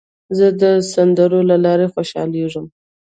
زه د سندرو له لارې خوشحالېږم.